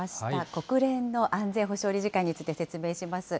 国連の安全保障理事会について説明します。